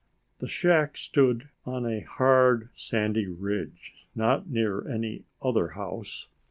The shack stood on a hard sandy ridge, not near any other house.